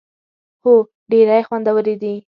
هو، ډیری خوندورې دي